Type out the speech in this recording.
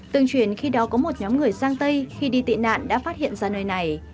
tương truyền khi đó có một nhóm người sang tây khi đi tị nạn đã phát hiện ra nơi này